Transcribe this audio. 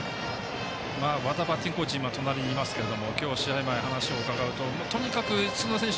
和田バッティングコーチ隣にいますけども今日、試合前、話を伺うととにかく、うちの選手